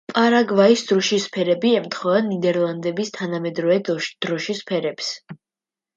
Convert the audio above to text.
პარაგვაის დროშის ფერები ემთხვევა ნიდერლანდების თანამედროვე დროშის ფერებს.